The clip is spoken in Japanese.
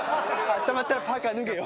温まったらパーカー脱げよ！